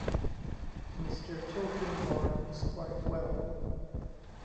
Mr. Tulkinghorn is quite well.